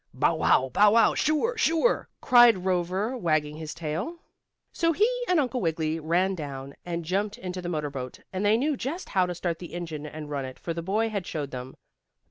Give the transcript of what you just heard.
"Bow wow! Bow wow! Sure! Sure!" cried Cover, wagging his tail. So he and Uncle Wiggily ran down, and jumped into the motor boat. And they knew just how to start the engine and run it, for the boy had showed them.